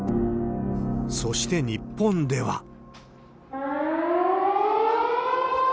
そして日本では。